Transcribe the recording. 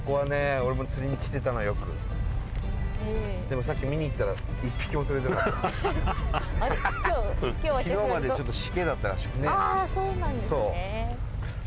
俺も釣りに来てたのよくでもさっき見に行ったら１匹も釣れてなかったハハハハ昨日までちょっとシケだったらしくてああそうなんですね